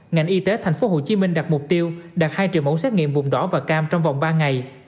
ngành y tế tp hcm đặt mục tiêu đạt hai triệu mẫu xét nghiệm vùng đỏ và cam trong vòng ba ngày